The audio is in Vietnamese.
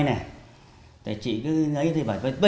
nhi cứ nói